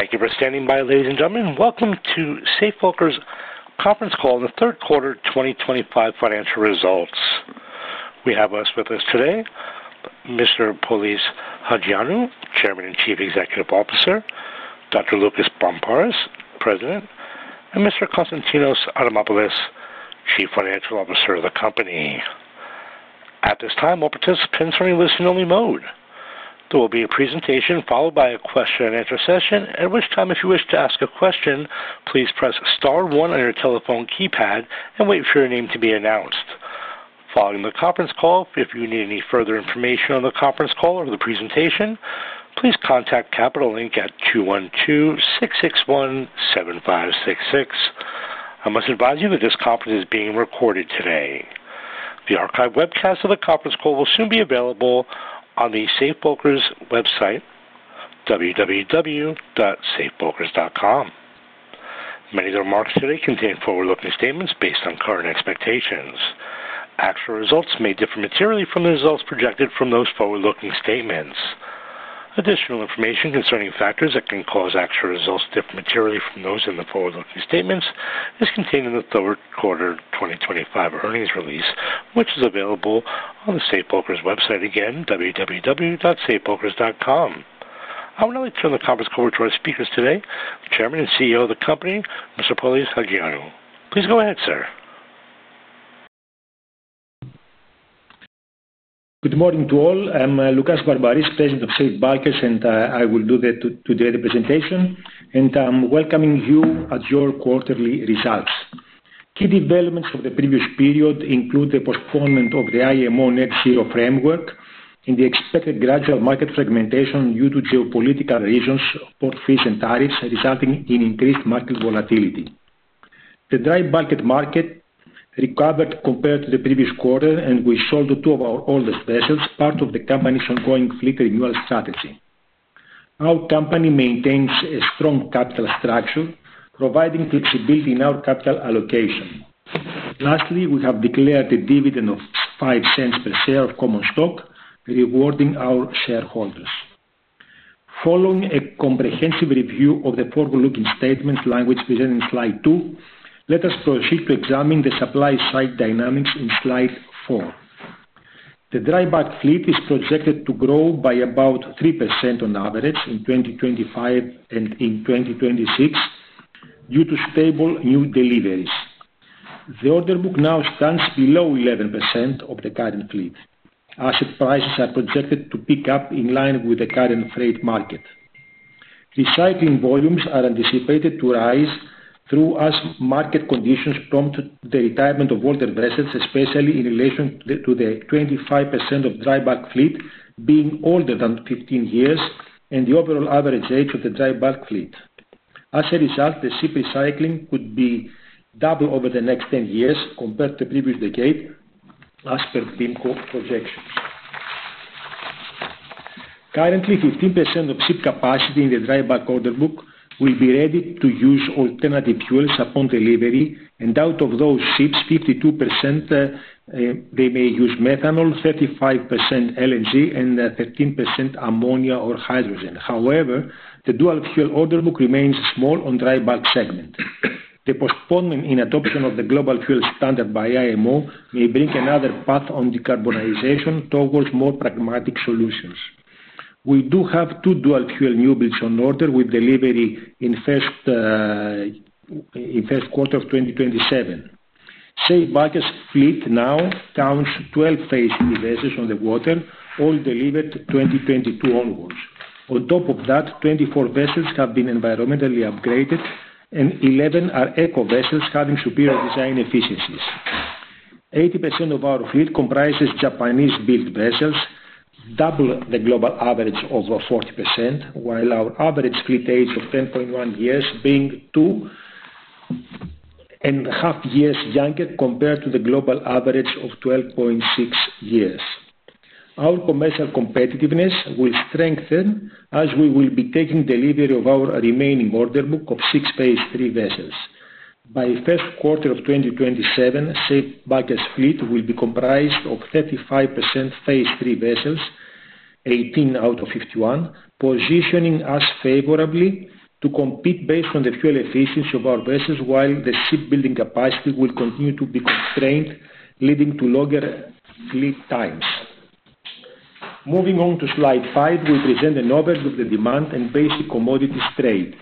Thank you for standing by, ladies and gentlemen. Welcome to Safe Bulkers' conference call in the Third Quarter 2025 Financial Results. We have with us today Mr. Polys Hajioannou, Chairman and Chief Executive Officer; Dr. Loukas Barmparis, President; and Mr. Konstantinos Adamopoulos, Chief Financial Officer of the company. At this time, all participants are in listen-only mode. There will be a presentation followed by a question-and-answer session, at which time, if you wish to ask a question, please press star one on your telephone keypad and wait for your name to be announced. Following the conference call, if you need any further information on the conference call or the presentation, please contact Capital Link at 212-661-7566. I must advise you that this conference is being recorded today. The archived webcast of the conference call will soon be available on the Safe Bulkers website, www.safebulkers.com. Many of the remarks today contain forward-looking statements based on current expectations. Actual results may differ materially from the results projected from those forward-looking statements. Additional information concerning factors that can cause actual results to differ materially from those in the forward-looking statements is contained in the third quarter 2025 earnings release, which is available on the Safe Bulkers website again, www.safebulkers.com. I would now like to turn the conference call over to our speakers today, the Chairman and CEO of the company, Mr. Polys Hajioannou. Please go ahead, sir. Good morning to all. I'm Loukas Barmparis, President of Safe Bulkers, and I will do the presentation. I'm welcoming you at your quarterly results. Key developments of the previous period include the postponement of the IMO Net Zero framework and the expected gradual market fragmentation due to geopolitical reasons, port fees, and tariffs, resulting in increased market volatility. The dry bulk market recovered compared to the previous quarter, and we sold two of our oldest vessels, part of the company's ongoing fleet renewal strategy. Our company maintains a strong capital structure, providing flexibility in our capital allocation. Lastly, we have declared a dividend of $0.05 per share of common stock, rewarding our shareholders. Following a comprehensive review of the forward-looking statement language presented in slide two, let us proceed to examine the supply-side dynamics in slide four. The dry bulk fleet is projected to grow by about 3% on average in 2025 and in 2026 due to stable new deliveries. The order book now stands below 11% of the current fleet. Asset prices are projected to pick up in line with the current freight market. Recycling volumes are anticipated to rise as market conditions prompt the retirement of older vessels, especially in relation to the 25% of dry bulk fleet being older than 15 years and the overall average age of the dry bulk fleet. As a result, the ship recycling could be double over the next 10 years compared to the previous decade, as per BIMCO projections. Currently, 15% of ship capacity in the dry bulk order book will be ready to use alternative fuels upon delivery, and out of those ships, 52% may use methanol, 35% LNG, and 13% ammonia or hydrogen. However, the dual-fuel order book remains small on the dry bulk segment. The postponement in adoption of the global fuel standard by IMO may bring another path on decarbonization towards more pragmatic solutions. We do have two dual-fuel new builds on order with delivery in the first quarter of 2027. Safe Bulkers fleet now counts 12 phased new vessels on the water, all delivered 2022 onwards. On top of that, 24 vessels have been environmentally upgraded, and 11 are eco-vessels having superior design efficiencies. 80% of our fleet comprises Japanese-built vessels, double the global average of 40%, while our average fleet age of 10.1 years being two and a half years younger compared to the global average of 12.6 years. Our commercial competitiveness will strengthen as we will be taking delivery of our remaining order book of six phased III vessels. By the first quarter of 2027, Safe Bulkers fleet will be comprised of 35% phased III vessels, 18 out of 51, positioning us favorably to compete based on the fuel efficiency of our vessels, while the shipbuilding capacity will continue to be constrained, leading to longer fleet times. Moving on to slide five, we present an overview of the demand and basic commodities trade.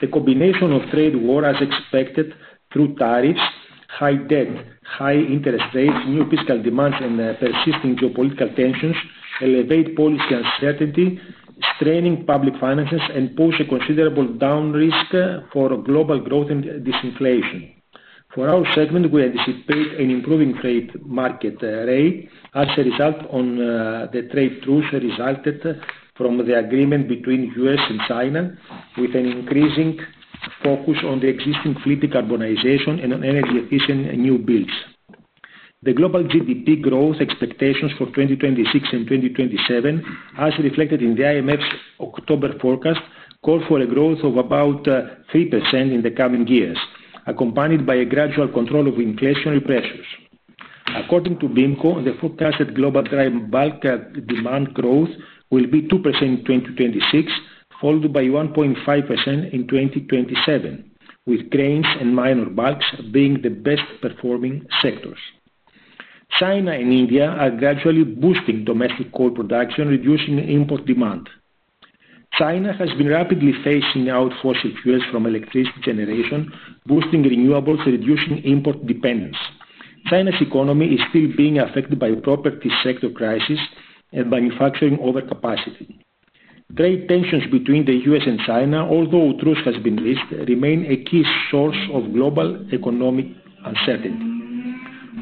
The combination of trade war, as expected, through tariffs, high debt, high interest rates, new fiscal demands, and persisting geopolitical tensions elevate policy uncertainty, straining public finances, and pose a considerable down risk for global growth and disinflation. For our segment, we anticipate an improving trade market rate as a result of the trade truce resulted from the agreement between the U.S. and China, with an increasing focus on the existing fleet decarbonization and energy-efficient new builds. The global GDP growth expectations for 2026 and 2027, as reflected in the IMF's October forecast, call for a growth of about 3% in the coming years, accompanied by a gradual control of inflationary pressures. According to BIMCO, the forecasted global dry bulk demand growth will be 2% in 2026, followed by 1.5% in 2027, with grains and minor bulks being the best-performing sectors. China and India are gradually boosting domestic coal production, reducing import demand. China has been rapidly phasing out fossil fuels from electricity generation, boosting renewables, reducing import dependence. China's economy is still being affected by property sector crises and manufacturing overcapacity. Trade tensions between the U.S. and China, although truce, have been reached, remaining a key source of global economic uncertainty.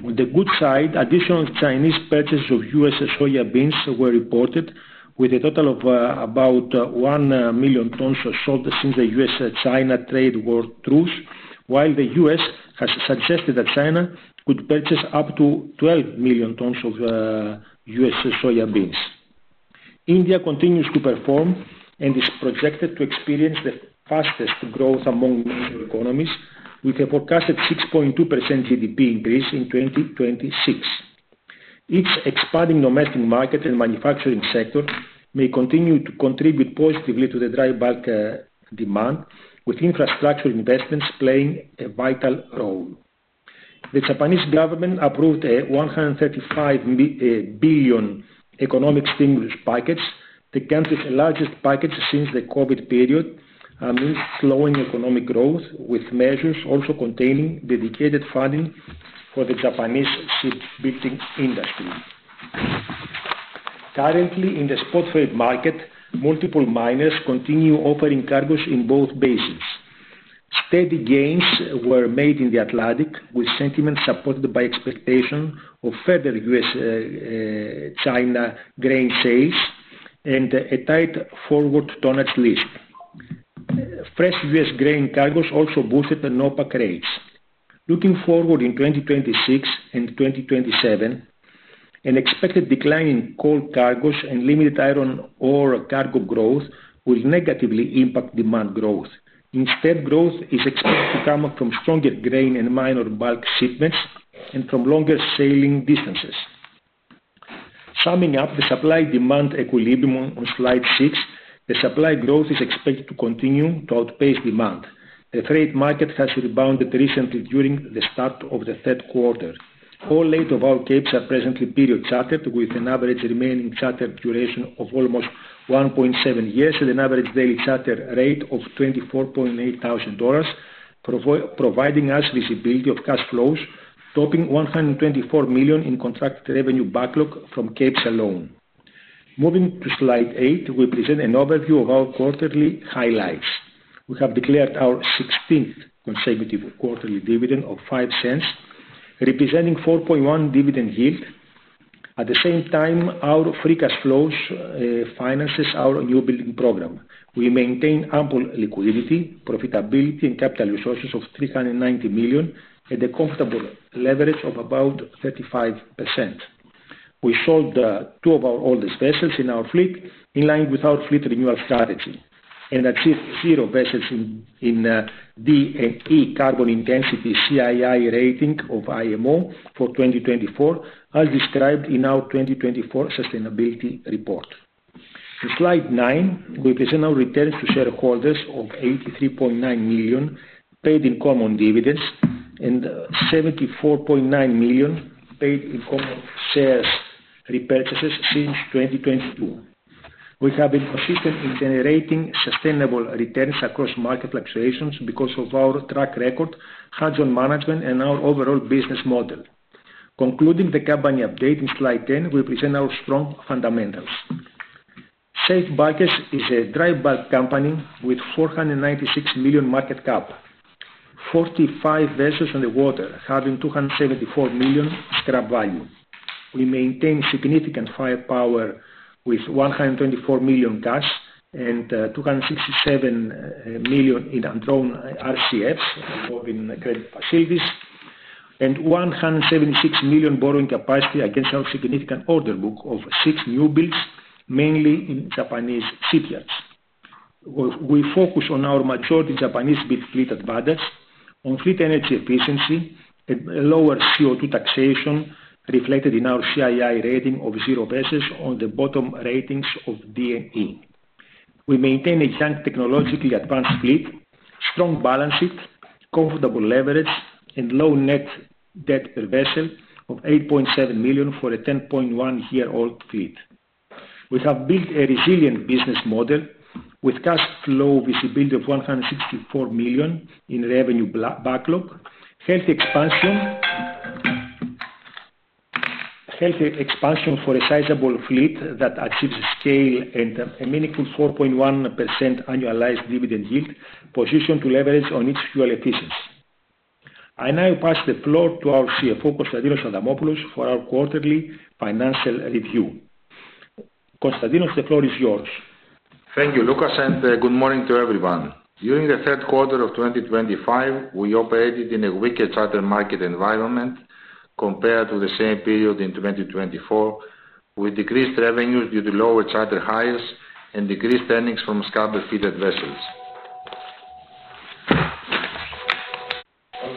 On the good side, additional Chinese purchases of U.S. soya beans were reported, with a total of about 1 million tons sold since the U.S.-China trade war truce, while the US has suggested that China could purchase up to 12 million tons of U.S. soya beans. India continues to perform and is projected to experience the fastest growth among major economies, with a forecasted 6.2% GDP increase in 2026. Its expanding domestic market and manufacturing sector may continue to contribute positively to the dry bulk demand, with infrastructure investments playing a vital role. The Japanese government approved a $135 billion economic stimulus package, the country's largest package since the COVID period, amid slowing economic growth, with measures also containing dedicated funding for the Japanese shipbuilding industry. Currently, in the spot trade market, multiple miners continue offering cargoes in both basins. Steady gains were made in the Atlantic, with sentiment supported by expectations of further U.S.-China grain sales and a tight forward tonnage list. Fresh U.S. grain cargoes also boosted NOPAC rates. Looking forward in 2026 and 2027, an expected decline in coal cargoes and limited iron ore cargo growth will negatively impact demand growth. Instead, growth is expected to come from stronger grain and minor bulk shipments and from longer sailing distances. Summing up the supply-demand equilibrium on slide six, the supply growth is expected to continue to outpace demand. The trade market has rebounded recently during the start of the third quarter. All eight of our capes are presently period chartered, with an average remaining charter duration of almost 1.7 years and an average daily charter rate of $24,800, providing us visibility of cash flows, topping $124 million in contracted revenue backlog from capes alone. Moving to slide eight, we present an overview of our quarterly highlights. We have declared our 16th consecutive quarterly dividend of $0.05, representing a 4.1% dividend yield. At the same time, our free cash flows finance our new building program. We maintain ample liquidity, profitability, and capital resources of $390 million, and a comfortable leverage of about 35%. We sold two of our oldest vessels in our fleet, in line with our fleet renewal strategy, and achieved zero vessels in D and E carbon intensity CII rating of IMO for 2024, as described in our 2024 sustainability report. In slide nine, we present our returns to shareholders of $83.9 million, paid in common dividends, and $74.9 million paid in common shares repurchases since 2022. We have been consistent in generating sustainable returns across market fluctuations because of our track record, hands-on management, and our overall business model. Concluding the company update in slide 10, we present our strong fundamentals. Safe Bulkers is a dry bulk company with a $496 million market cap, 45 vessels on the water, having $274 million scrap value. We maintain significant firepower with $124 million cash and $267 million in undrawn RCFs involving credit facilities, and $176 million borrowing capacity against our significant order book of six new builds, mainly in Japanese shipyards. We focus on our majority Japanese-built fleet advantage, on fleet energy efficiency, and lower CO2 taxation reflected in our CII rating of zero vessels on the bottom ratings of D and E. We maintain a young, technologically advanced fleet, strong balance sheet, comfortable leverage, and low net debt per vessel of $8.7 million for a 10.1 year-old fleet. We have built a resilient business model with cash flow visibility of $164 million in revenue backlog, healthy expansion for a sizable fleet that achieves scale and a meaningful 4.1% annualized dividend yield, positioned to leverage on its fuel efficiency. I now pass the floor to our CFO, Konstantinos Adamopoulos, for our quarterly financial review. Konstantinos, the floor is yours. Thank you, Loukas, and good morning to everyone. During the third quarter of 2025, we operated in a weaker charter market environment compared to the same period in 2024, with decreased revenues due to lower charter highs and decreased earnings from scalper-fitted vessels.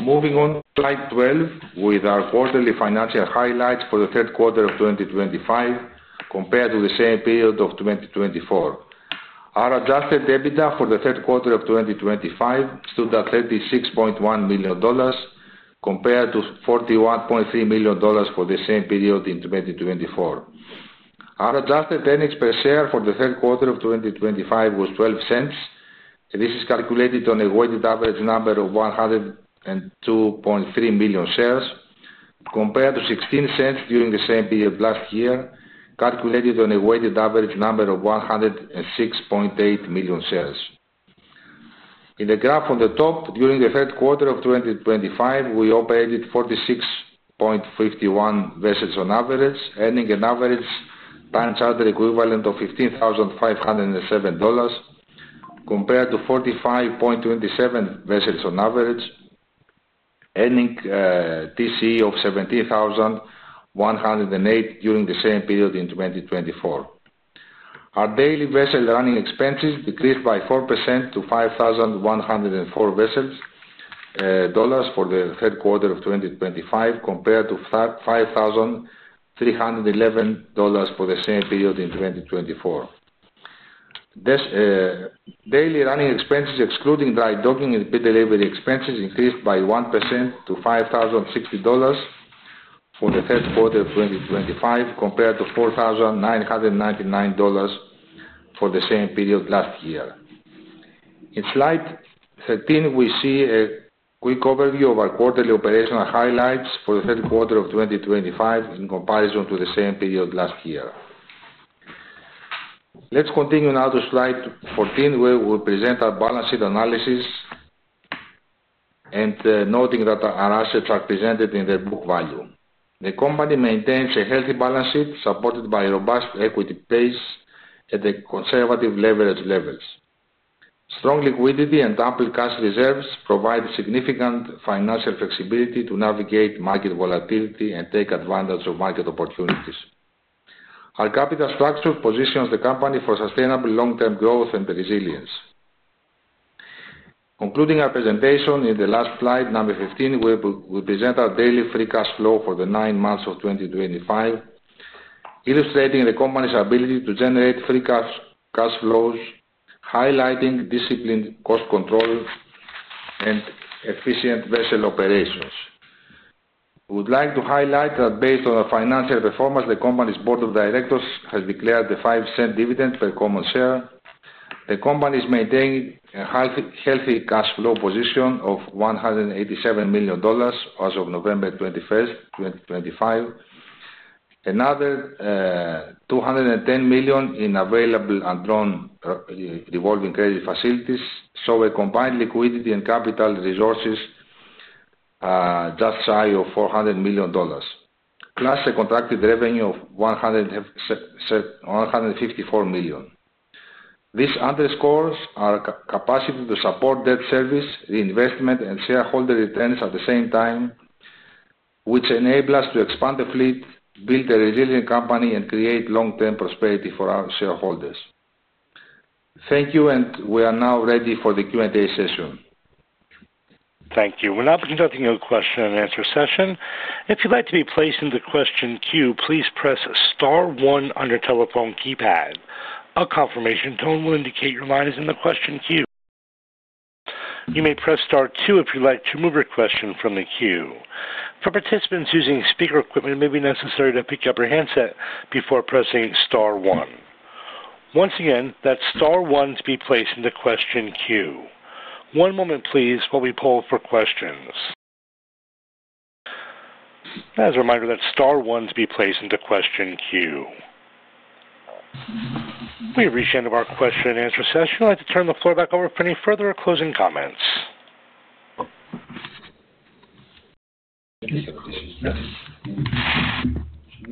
Moving on to slide 12, with our quarterly financial highlights for the third quarter of 2025 compared to the same period of 2024. Our adjusted EBITDA for the third quarter of 2025 stood at $36.1 million compared to $41.3 million for the same period in 2024. Our adjusted earnings per share for the third quarter of 2025 was $0.12. This is calculated on a weighted average number of 102.3 million shares compared to $0.16 during the same period last year, calculated on a weighted average number of 106.8 million shares. In the graph on the top, during the third quarter of 2025, we operated 46.51 vessels on average, earning an average time charter equivalent of $15,507 compared to 45.27 vessels on average, earning TCE of $17,108 during the same period in 2024. Our daily vessel running expenses decreased by 4% to $5,104 for the third quarter of 2025 compared to $5,311 for the same period in 2024. Daily running expenses, excluding dry docking and pit delivery expenses, increased by 1% to $5,060 for the third quarter of 2025 compared to $4,999 for the same period last year. In slide 13, we see a quick overview of our quarterly operational highlights for the third quarter of 2025 in comparison to the same period last year. Let's continue now to slide 14, where we present our balance sheet analysis and noting that our assets are presented in their book value. The company maintains a healthy balance sheet supported by robust equity pace at conservative leverage levels. Strong liquidity and ample cash reserves provide significant financial flexibility to navigate market volatility and take advantage of market opportunities. Our capital structure positions the company for sustainable long-term growth and resilience. Concluding our presentation in the last slide, number 15, we present our daily free cash flow for the nine months of 2025, illustrating the company's ability to generate free cash flows, highlighting disciplined cost control and efficient vessel operations. We would like to highlight that based on our financial performance, the company's board of directors has declared a $0.05 dividend per common share. The company is maintaining a healthy cash flow position of $187 million as of November 21st 2025, another $210 million in available undrawn revolving credit facilities, so a combined liquidity and capital resources just shy of $400 million, plus a contracted revenue of $154 million. This underscores our capacity to support debt service, reinvestment, and shareholder returns at the same time, which enables us to expand the fleet, build a resilient company, and create long-term prosperity for our shareholders. Thank you, and we are now ready for the Q&A session. Thank you. We'll now present the question and answer session. If you'd like to be placed in the question queue, please press star one on your telephone keypad. A confirmation tone will indicate your line is in the question queue. You may press star two if you'd like to remove your question from the queue. For participants using speaker equipment, it may be necessary to pick up your handset before pressing star one. Once again, that's star one to be placed in the question queue. One moment, please, while we poll for questions. As a reminder, that's star one to be placed in the question queue. We have reached the end of our question and answer session. I'd like to turn the floor back over for any further or closing comments. Yes.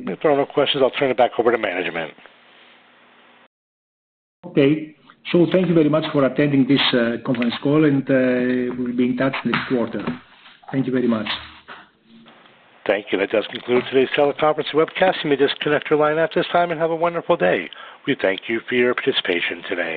If there are no questions, I'll turn it back over to management. Thank you very much for attending this conference call, and we'll be in touch next quarter. Thank you very much. Thank you. That does conclude today's teleconference webcast. You may disconnect your line at this time and have a wonderful day. We thank you for your participation today.